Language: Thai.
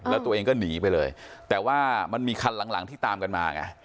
แล้วตัวเองก็หนีไปเลยแต่ว่ามันมีคันหลังที่ตามกันมาไง